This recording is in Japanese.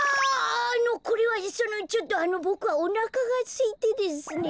あのこれはそのちょっとあのボクはおなかがすいてですね。